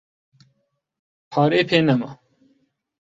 پارەی پێ نەما.